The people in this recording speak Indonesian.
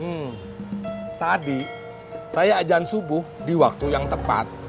hmm tadi saya ajan subuh di waktu yang tepat